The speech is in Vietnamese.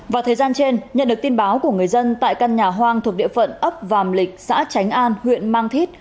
vào thời gian trên nhận được tin báo của người dân tại căn nhà hoang thuộc địa phận ấp vàm lịch xã tránh an huyện mang thít